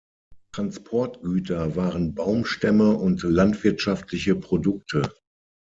Transportgüter waren Baumstämme und landwirtschaftliche Produkte.